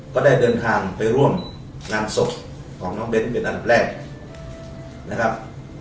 ก็ได้เดินทางไปร่วมงานศพของน้องเบ้นเป็นอันดับแรกนะครับ